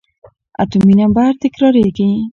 اتومي نمبر تکرارېږي.